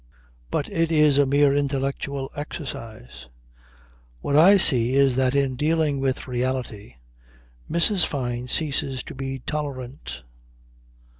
"But it is a mere intellectual exercise. What I see is that in dealing with reality Mrs. Fyne ceases to be tolerant.